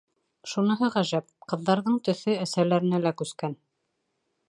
Шуныһы ғәжәп: ҡыҙҙарҙың төҫө әсәләренә лә күскән.